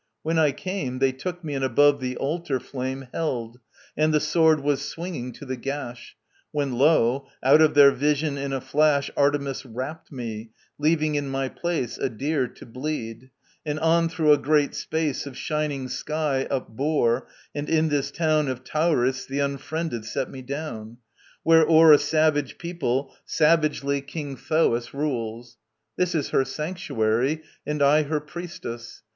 When I came, They took me and above the altar flame Held, and the sword was swinging to the gash, When, lo, out of their vision in a flash Artemis rapt me, leaving in my place A deer to bleed; and on through a great space Of shining sky upbore and in this town Of Tauris the Unfriended set me down; Where o'er a savage people savagely King Thoas rules. This is her sanctuary And I her priestess.